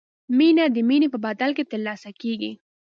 مینه د مینې په بدل کې ترلاسه کیږي.